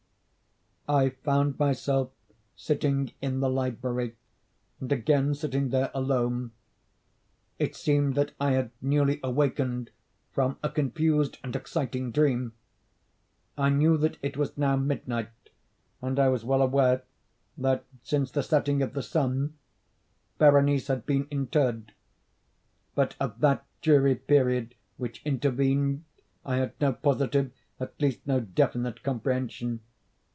I found myself sitting in the library, and again sitting there alone. It seemed that I had newly awakened from a confused and exciting dream. I knew that it was now midnight, and I was well aware, that since the setting of the sun, Berenice had been interred. But of that dreary period which intervened I had no positive, at least no definite comprehension.